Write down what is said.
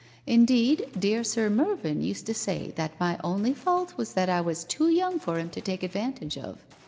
Indeed, dear Sir Mervyn used to say that my only fault was that I was too young for him to take advantage of.